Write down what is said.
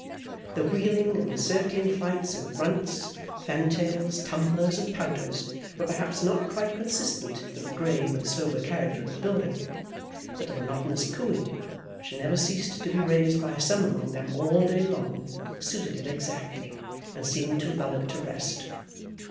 The wheeling and circling flights of runts, fantails, tumblers, and pouters, were perhaps not quite consistent with the grave and sober character of the building, but the monotonous cooing, which never ceased to be raised by some among them all day long, suited it exactly, and seemed to lull it to rest.